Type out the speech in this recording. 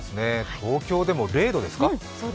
東京でも０度ですか。